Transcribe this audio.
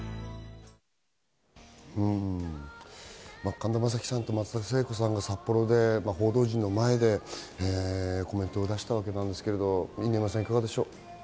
神田正輝さんと松田聖子さんが札幌で報道陣の前でコメントを出したわけなんですけれども、いかがでしょう。